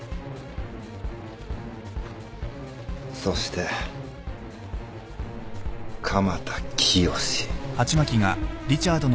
そして鎌田潔。